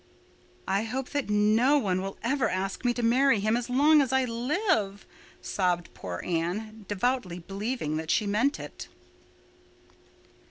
"I hope that no one will ever again ask me to marry him as long as I live," sobbed poor Anne, devoutly believing that she meant it.